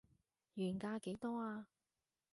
原價幾多啊